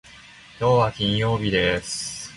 きょうは金曜日です。